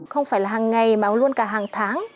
không phải là hàng ngày mà luôn cả hàng tháng